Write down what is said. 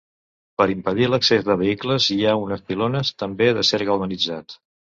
Per impedir l'accés de vehicles hi ha unes pilones també d'acer galvanitzat.